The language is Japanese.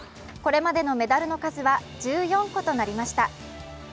これまでのメダルの数は１４個となりました。